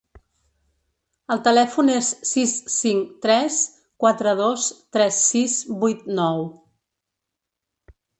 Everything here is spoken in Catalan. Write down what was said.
El telèfon és sis cinc tres quatre dos tres sis vuit nou.